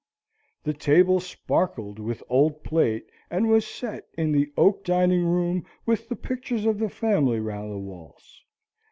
The table sparkled with old plate, and was set in the oak dining room with the pictures of the family round the walls.